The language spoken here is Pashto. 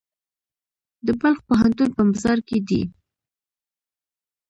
د بلخ پوهنتون په مزار کې دی